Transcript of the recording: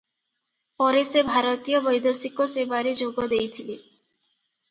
ପରେ ସେ ଭାରତୀୟ ବୈଦେଶିକ ସେବାରେ ଯୋଗଦେଇଥିଲେ ।